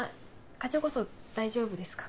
課長こそ大丈夫ですか？